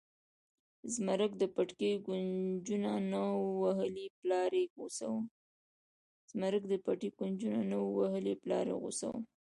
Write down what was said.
زمرک د پټي کونجونه نه و وهلي پلار یې غوسه و.